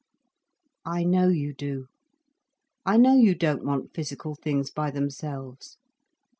"I know you do. I know you don't want physical things by themselves.